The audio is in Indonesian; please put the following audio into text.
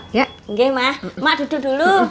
iya mak duduk dulu